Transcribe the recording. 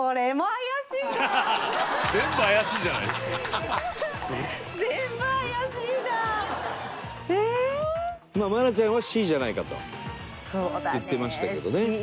愛菜ちゃんはＣじゃないかと言ってましたけどね。